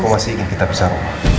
aku masih ingin kita besar